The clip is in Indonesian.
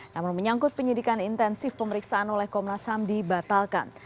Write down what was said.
namun menyangkut penyidikan intensif pemeriksaan oleh komnas ham dibatalkan